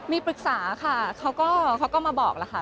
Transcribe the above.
มีปรึกษาค่ะเขาก็มาบอกแล้วค่ะ